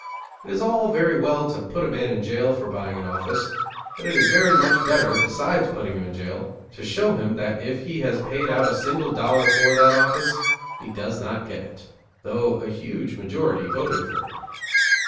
It is all very well to put a man in jail for buying an office, but it is very much better, besides putting him in jail, to show him that if he has paid out a single dollar for that office, he does not get it, though a huge majority voted for him.